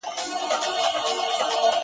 ستا د دواړو سترگو سمندر گلي ـ